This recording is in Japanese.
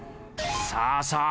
さあさあ